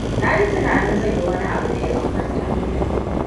Na yi tunanin zan yi wani abu da ya banbanta.